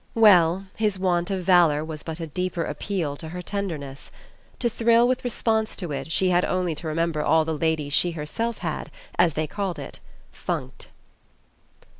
Well, his want of valour was but a deeper appeal to her tenderness. To thrill with response to it she had only to remember all the ladies she herself had, as they called it, funked.